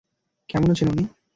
কেমন আছেন উনি?